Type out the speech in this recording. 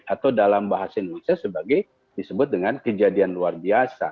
atau dalam bahasa indonesia sebagai disebut dengan kejadian luar biasa